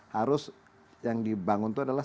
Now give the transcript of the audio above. harus yang dibangun itu adalah